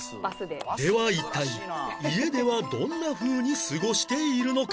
では一体家ではどんな風に過ごしているのか？